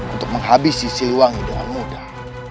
untuk menghabisi siluwangi dengan mudah